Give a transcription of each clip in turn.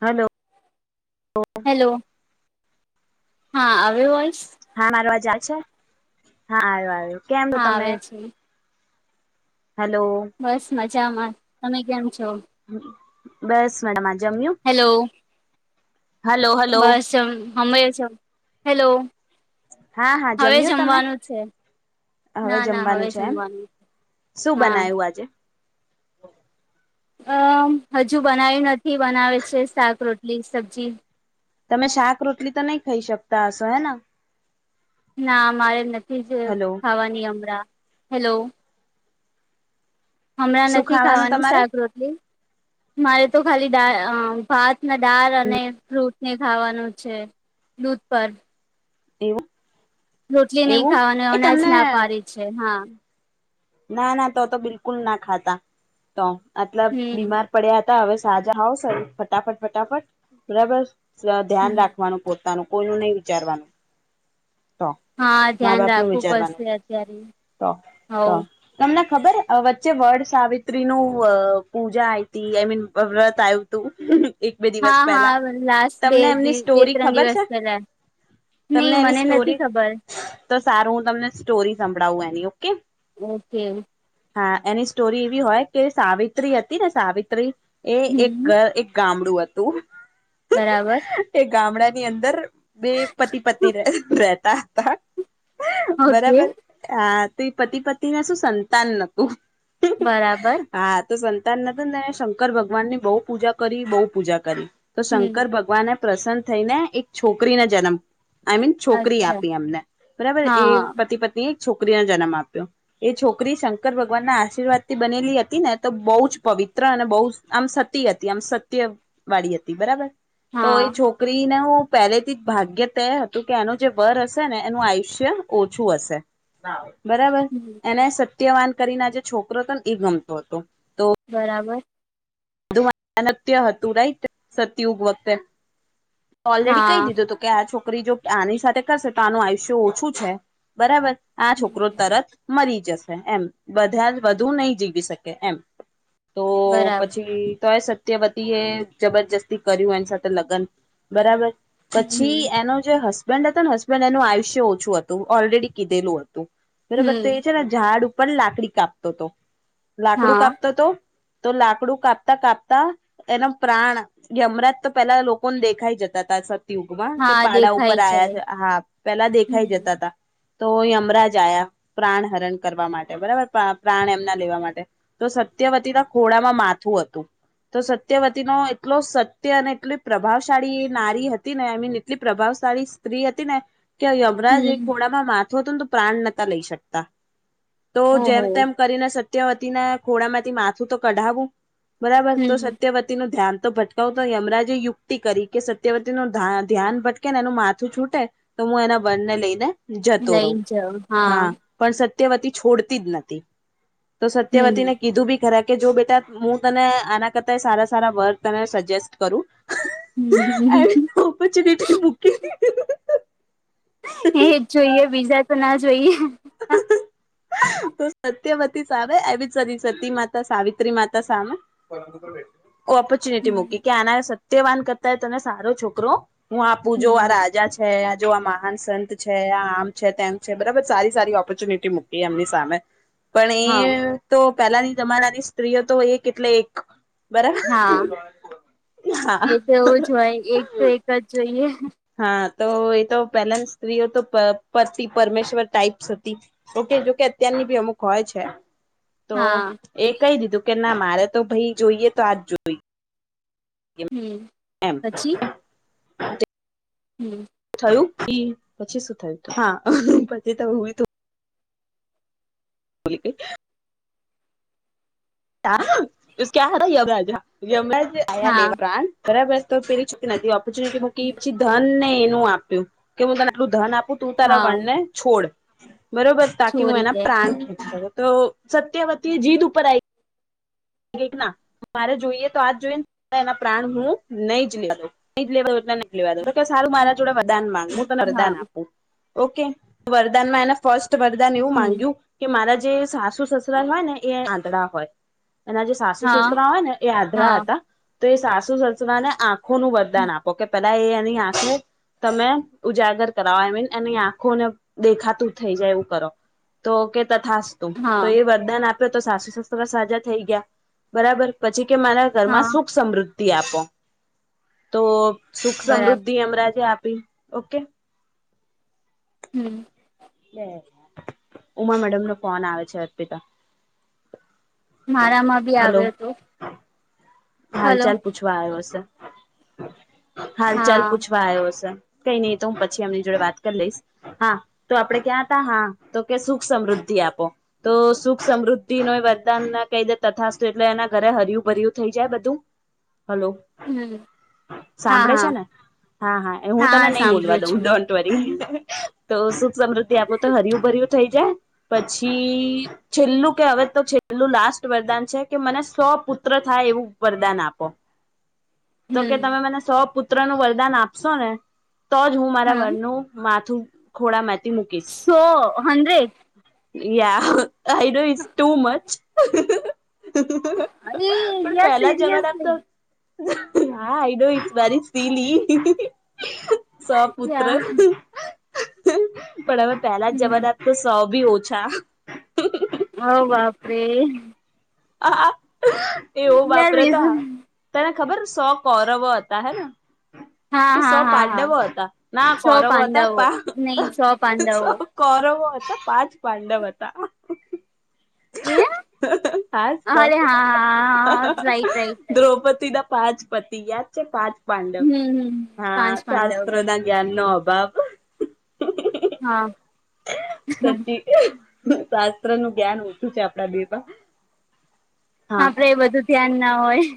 Hello hello હા આવ્યો voice હા મારો આવજ આવે છે હા આવ્યો આવ્યો કેમ છો હા આવે છે હેલો બસ મજામાં તમે કેમ છો બસ મેડમ આ જમય્યું હેલો હલો બસ હમે છ હેલો હા હા હવે જમ્યું તમે જમવાનું છે ના ના હવે જમવાનું છે એમ જમવા ની શું હા બનાયું આજે અમ હજુ બનાયું નથી બનાવે છે શાક રોટલી સબ્જી તમે શાક રોટલી તો નહી ખાઈ શકતા હશો હે ન ના મારે નથી જ હલો ખાવાની હમરાં હેલો હમણાં શું નથી ખાવાનું ખાવાની તમારે શાક રોટલી મારે તો ખાલી દા ભાત ના દાળ અને ફ્રૂટ ને ખાવાનું છે દૂધ પર એવું રોટલી નહ એવું ખાવાનું એ એનાં જ તમને ના પડી છે હા ના ના તો તો બિલકુલ ના ખાતા તો મતલબ હમ બીમાર પડ્યા હતા હવે સાજા હોવ ફટાફટ ફટાફટ બરાબર હમ ધ્યાન રાખવાનું પોતે તાનું કોઈ નું નહી વિચારવાનું તો હા મા ધ્યાન બાપ નું રાખવું પડશે વિચારવાનું અત્યારે તો તો હવ તમને ખબર વચ્ચે વડ સાવિત્રી નું પૂજા આતી આઈ મીન વ્રત આવ એક બે દિવસ હા હા પેલા લાસ્ટ બે તમને એમની બે સ્ટોરી ત્રણ ખબર દિવસ છે પેલા તમને નહી એની મને નથી સ્ટોરી ખબર તો સારું હું તમને સ્ટોરી સંભળાવું એની ઓકે ઓકે હા એની સ્ટોરી એવી હોય કે સાવિત્રી હતી ને સાવિત્રી એ હમ એક ગામડું હતું બરાબર એ ગામડા ની અંદર બે પતિ પતિ રતા હતા ઓકે બરાબર હા તો એ પતિ પતિ ના શું સંતાન નતું બરાબર હા તો સંતાન નથી ને શંકર ભગવાન ની બહુ પૂજા કરી બહુ પૂજા કરી તો હમ શંકર ભગવાનને પ્રસન્ન થઈને એક છોકરીને જન્મ આઈ મીન છોકરી અચ્છા આપી એમને બરાબર એ હા પતિ પત્ની એક છોકરીને જન્મ આપ્યો એ છોકરી શંકર ભગવાન ના આશીર્વાદ થી બનેલી હતી ને તો બહુ જ પવિત્ર અને બહુ જ આમ સતી હતી આમ સત્ય વાળી હતી બરાબર તો હા એ છોકરીને હું પહેલેથી જ ભાગ્ય તેઅ હતું કે એનો જે વર હશે ને એનું આયુષ્ય ઓછું હશે બરાબર હમ એને સત્યવાન કરીને આ જે છોકરો હતો ને એ ગમતો તો બરાબર બું અનત્ય હતું રાઈટ સતયુગ વખતે ઓલરેડી કઈ હા દીધું તું કે આ છોકરી જો આની સાથે કરશે તો આનું આયુષ્ય ઓછું છે બરાબર આ છોકરો તરત મરી જશે એમ બધા વધુ નહી જીવી શકે એમ તો બરાબર પછી તો એ સત્યવતી એ જબરજસ્તી કર્યું એની સાથે લગ્ન બરાબર પછી હમ એનો જે હસ હડ હતા હસબન્ડ એનું આયુષય ઓછું હતું ઓલરેડી કીધેલું હતું બરોબર તો એ છે હમ ને ઝાડ ઉપર લાકડી કાપતો તો લાકડું હા કાપતો હતો તો લાક કડું કાપતા કાપતા એના પ્રાણ યમરાજ તો પેલા લોકોને દેખાઈ જતા હતા કે યુગમાં કે હા પાડા ઉપર દેખાય આ્યા જાય છે હા પેલા દેખાઈ હમ જતા તા તો યમરાજ આ્યા પ્રાણ હરણ કરવા માટે બરાબર પ્રાણ એમના લેવા માટે તો સત્યવતી ના ખોડામાં માથું હતું તો સત્યવતી નો એટલો સત્ય અને એટલી પ્રભાવશાળી એ નારી હતી ને આઈમીન એટલી પ્રભાવશાળી સ્ત્રી હતી ને કે યમરાજ એ હમ ખોડામાં માથું હતું ને તો પ્રાણ નતા લઈ શકતા તો જેમ ઓહો તેમ કરીને સત્યવતી ના ખોડા માંથી માથું તો કઢાવું બરાબર તો હમ સત્યવતી નું ધ્યાન તો ભટ તો તો યમરાજે યુક્તિ કરી કે સત્યવતી નું ધ્યાન ભટકે ને એનું માથું છૂટે તો હું એના વર ને લઈને જતો રહું લઈ જાવ હા પણ સત્યવતી છોડતી જ નથી તો હમ સત્યવતીને કીધું બી ખરા કે જો બેટા મુ તને આના કરતા સારા સારા વર તને સજેસ્ટ કરું હમ પછી નીચે મુૂકી એજ જોઈએ બીજા તો ના જોઈએ તો સત્યવતી સામે એ સતી માતા સાવિત્રી માતા સામે ઓપોર્ચ્યુનિટી મૂકી કે આના સત્યવાન કરતા તને સારો છોકરો હું આપું જો આ હમ રાજા છે આ જો આ મહાન સંત છે આ આમ છે તેમ છે બરાબર સારી સારી ઓપોર્ચ્યુનિટી મુક એ એમની સામે પણ હા એ તો પેલાની જમાનાની સ્ત્રીઓ તો એક એટલે એક બરાબર હા હા જોય એક તો એક જ જોઈએ હા તો એ તો પહેલા સ્ત્રીઓ તો પતિ પરમેશ્વર ટાઈપ્સ હતી ઓકે જોકે અત્યારની બી અમુક હોય છે તો હા એ કહી દીધું કે ના મારે તો ભઈ જોઈએ તો આજ જોઈ હમ એમ પછી હમ થયું પછી શું થયું હા પછી તો અમે તો બોલે કે ક્યા યમરાજ યમરાજ આયા હા લેવન બરા બરાબર તોરી ચ નથી ઓપોર્ચ્યુનિટી કી પછી ધન ને એનું આપ્યું કે હું તને આટલું ધન આપું તું તારા હા વણ ને છોડ બરોબર તાકી હું છોરી એના દે પ્રાણ ખ તો સત્યવતી જીદ ઉપર આવી ના મારે જોઈએ તો આજ જોઈએ ને એના પ્રાણ હું નહી જ લેઉ નઈ લેવા એ ન લેવા દો કે સારું મારા જોડે વધદાન માંગ હા વરદાન આપું ઓકે વરદાનમાં એને ફર્સ્ટ વરદાન એવું હમ માંગ્યું કે મારા જે સાસુ સસરાલ હોય ને એ આંદડા હોય એના જે સાસુ સસ હા હોયને એ આધ્ર હા હતા તો એ સાસુ સસરાને આંખો નું વરદાન આપો કે લઇ એની આંખુ તમે ઉજાગર કરાવો આઈ મીન એની આંખોને દેખાતું થઈ જાય એવું કરો તો ઓકે તથાસ તો હા એ વરદાન આપ્યો તો સાસુ સસરા સાજા થઈ ગયા બરાબર પછી કે મારા ઘરમાં હા સુખ સમૃદ્ધિ આપો તો સુખ બરાબર સમૃદ્ધિ હમરાજે આપી ઓકે હમ ઉમા મેડમ નો ફોન આવે છે અર્પિતા મારામાં બી આવ્યો હતો હાલ હલો ચાલ પૂછવા આવ્યો હશે હાલ ચાલ હા પૂછવા આવ્યો હશે કઈ નહી એ તો હું પછી એમની જોડે વાત કરી લઈશ હા તો આપડે ક્યાં હતા હા તો કે સુખ સમૃદ્ધિ આપો તો સુખ સમૃદ્ધિ નો વરદાન ના કહી દે તથસ્તું એટલે એના ઘરે હરયું ભરય્યું થઈ જાય બ તું હલો હમ હા સાંભળે હા છે ને હા હા એ હું તને નહી બોલવા સાંભળું છું દઉં [unintelligible] તો સુખ સમૃદ્ધિ આપો તો હર્યું ભર્યું થઈ જાય પછી છેલ્લું કે હવે તો છેલ્લું લાસ્ટ વરદાન છે કે મને સો પુત્ર થાય એવું વરદાન આપો તો કે હમ તમે મને સો પુત્ર નું વરદાન આપશો ને તો જ હું મારા હા વરનું માથું ખોડા માંથી મૂકીશ સો હંડ્રેડ યા I do is too much [unintelligible] પેલા જવાર આપ તો [unintelligible] પુત્ર યા પણ હવે પેલા જ જવાના તો સૌ ભી ઓછા હવ બાપ રે એવું યાર વાપરે તા વિઝન તને ખબર સો કૌરવો હતા હેને હા કે હા સ હા હા પાંડવો હતા ના છો કોરવો પાંડવો હતા નહી છો પાંડવો કૌરવો હતા પાંચ પાંડવ હતા એ હાજ અરે હા હા રાઈટ રાઈટ રાઈટ દ્રૌપદી ના પાંચ પતિએ પાંચ પાંડવ હમ હમ હા પાંચ પાંડવ શાસ્ત્ર ના જ્ઞાન નો અભાવ હા સચી શાસ્ત્ર નું જ્ઞાન ઓછું છે આપણા બેઉમા આપરે એ બધું ધ્યાન ના હોય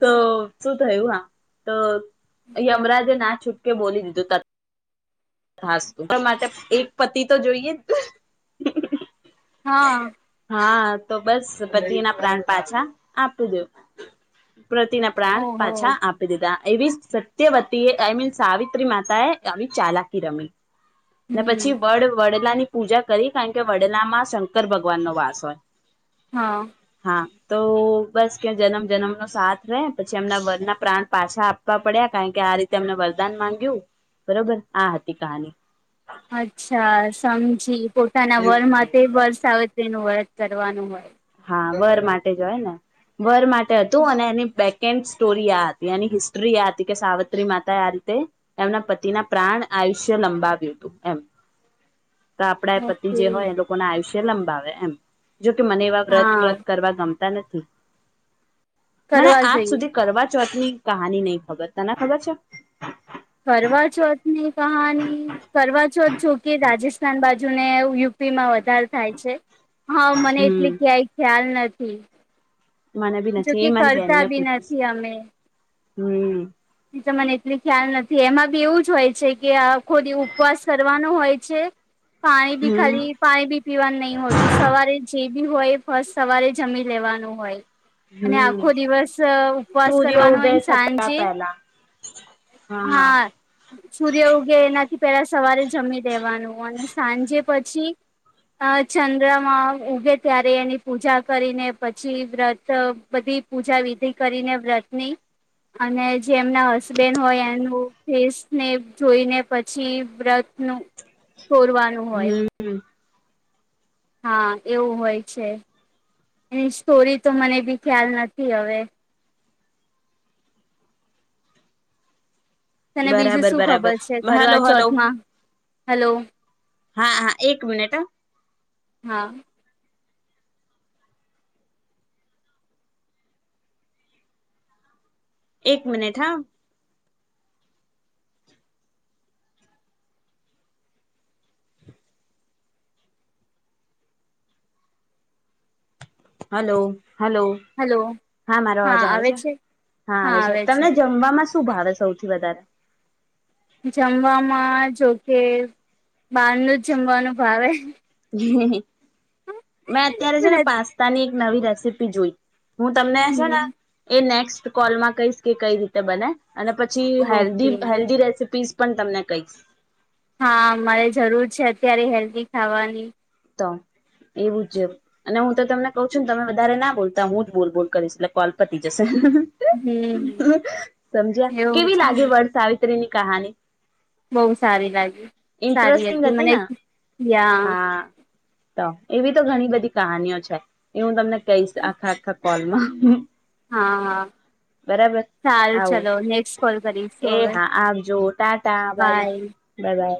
તો શું થયું હા તો. યમરાજે ના છૂટકે બોલી દીધું ત ખાસું માટે એક પતિ તો જોઈએ. હા. હા તો બસ બધી ના પ્રાણ પાછા આપું દવ પ્રતિના પ્રાણ ઓહો પાછા આપ દીા એવી સત્યવતી આઈ મીન સાવિત્રી માતા એ આવી ચાલાકી રમી. ને હમ પછી વડ વડલા ની પૂજા કરી કારણ કે વડલા માં શંકર ભગવાન નો વાસ હોય. હા. હા તો બસ કે જન્મ જન્મનો સાથ રહે પછી એમના વન ના પ્રાણ પાછા. પડ્યા કારણ કે આ રીતે અમને વરદાન માંગ્યું બરોબર આ હતી કહાની. અચ્છા સમજી પોતાના વરમાં તે વર્ષ આવે તેનું વ્રત કરવાનું હોય. હા વર માટે જય ને વર માટે હતું અને એની બેક. કે સ્ટોરી આ હતી એની હિસ્ટ્રી આ હતી કે સાવિત્રી માતા આ રીતે. એમના પતિના પ્રાણ આયુષ્ય લંબાવ્યું હતું એમ. તો આપણા પતિ ઓકે જે હોય એ લોકો ના આયુષ્ય લંબાવે એમ જોકે મને. વત હા વત કરવા ગમતા નથી મને કરવા આજ જોઈએ સુધી કરવા ચોથની. કહાની નહ ખબર તને ખબર છે. કરવા ચોથ ની કહાની કરવા ચોથ જોકે રાજસ્થાન બાજુનેુ. ીમાં વધાર થાય છે હા મને હમ એટલી ક્યાંય ખ્યાલ નથી. મને બી નથી જોકે એ મારી કરતા બેનને બી પૂછીશ નથી અમે. હમ. એ તો મને એટલી ખ્યાલ નથી એમાં બી એવું જ હોય છે કે આ ખોદી ઉપવાસ કરવાનો હોય છે. પાણી ભી હમ ખાલી. પાણી બી પીવાનું નહીિ હોતું સવારે જે બી હોય ફ સવારે જમી લેવાનું હોય. અને હમ આખો દિવસ ઉપવાસ સૂર્ય કરવાનો ઉદય હોયને થતા સાંજે. પહેલા હા. સૂર્ય ઉગે એનાથી પેલા સવારે જમી દેવાનું અને સાંજે પછી. અ ચંદ્રમાં ઉગે ત્યારે એની પૂજા કરીને પછી વ્રત બધી. પૂજા વિધિ કરીને વ્રતની અને જેમના. બન હોય એનું ફેસને જોઈને પછી બ્ર. નું તોરવાનું હોય. હમ હા એવું હોય છે. એની સ્ટોરી તો મને બી ખ્યાલ નથી હવે. તને બીજું બરાબર શું બરાબર ખબર છે હલો કરવા હલો ચોથમાં હેલો. હા હા એક મિનિટ હ. હા. એક મિનિટ હા. Hello hello. હલો હા મારો અવાજ આવે છે હા આવે છે તમને જમવામાં. શું ભાવે સૌથી વધારે. જમવામાં જોકે બારનું જ જમવાનું ભાવે. હ મેં અત્યારે છે ને પાસ્તા ની એક નવી રેસીપી જોઈ. હું તમને છે ને હમ એ નેક્સ્ટ કોલમાં કહીશ કે કઈ રીતે બને. અને પછી હેલ્ધી ઓકે હેલ્ધી રેસીપીઝ પણ તમને કઈ. હા મારે જરૂર છે અત્યારે હેલ્ધી ખાવાની. તો એવું છે. અને હું તો તમને કઉ છું ને તમે વધારે ના બોલતા હું જ બોલ બોલ કરીશ એટલે કોલપતિ જશે. હમ સમજ્યા એવું કેવી છે લાગે ને વડ સાવિત્રીની કહાની. બહુ સારી લાગી સારી ઇન્ટરેસ્ટિંગ હતી મને ને યા. હા તો એવી તો ઘણી બધી કહાનીઓ છે એ હું તમને કહીશ આખા આખા કોલમાં હા હા બરાબર સારું આવું ચલો નેક્સ્ટ કોલ એ કરીશું હવે હા આપજો ટાટા બા બાય બધા